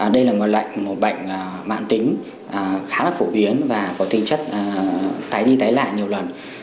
đây là một loại bệnh mạng tính khá là phổ biến và có tinh chất thái đi thái lại nhiều lần